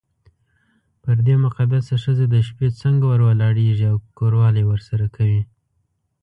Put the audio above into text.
پر دې مقدسه ښځه د شپې څنګه ور ولاړېږې او کوروالی ورسره کوې.